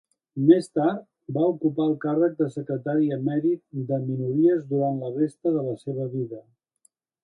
Més tard, va ocupar el càrrec de secretari emèrit de minories durant la resta de la seva vida.